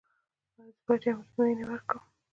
ایا زه باید ازموینې وکړم؟